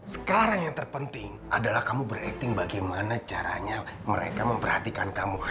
sekarang yang terpenting adalah kamu berating bagaimana caranya mereka memperhatikan kamu